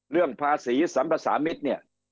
อย่างภาษีสัมปสามิตรเนี่ย